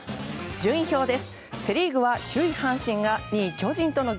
順位表です。